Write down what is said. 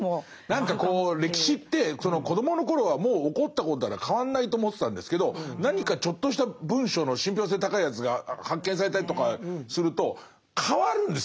何かこう歴史って子どもの頃はもう起こったことだから変わんないと思ってたんですけど何かちょっとした文書の信憑性高いやつが発見されたりとかすると変わるんですよね。